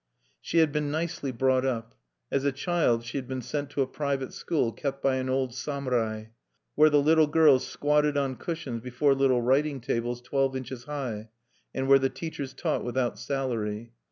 She had been nicely brought up. As a child she had been sent to a private school kept by an old samurai, where the little girls squatted on cushions before little writing tables twelve inches high, and where the teachers taught without salary.